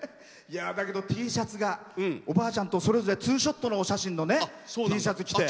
Ｔシャツがおばあちゃんとそれぞれツーショットのお写真のＴシャツ着て。